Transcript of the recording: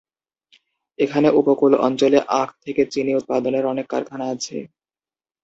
এখানে উপকূল অঞ্চলে আখ থেকে চিনি উৎপাদনের অনেক কারখানা আছে।